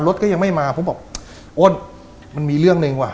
รถก็ยังไม่มาผมบอกโอ๊ยมันมีเรื่องหนึ่งว่ะ